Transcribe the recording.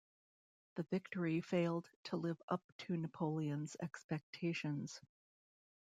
The victory failed to live up to Napoleon's expectations.